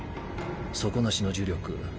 底なしの呪力。